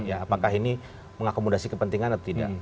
apakah ini mengakomodasi kepentingan atau tidak